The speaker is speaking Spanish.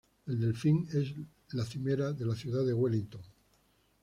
El delfín es la "cimera" de la ciudad de Wellington.